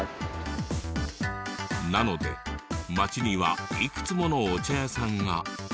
なので町にはいくつものお茶屋さんが。